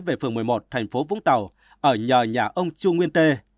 về phường một mươi một thành phố vũng tàu ở nhờ nhà ông chu nguyên tê